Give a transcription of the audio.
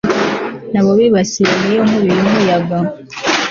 na bo bibasiwe n iyo nkubi y umuyaga